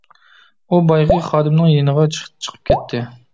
ئۇ بايىقى خادىمىنىڭ يېنىغا چىقىپ كەتتى.